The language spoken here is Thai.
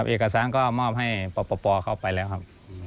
เอกสารก็มอบให้ปปเข้าไปแล้วครับ